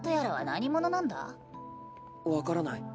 分からない。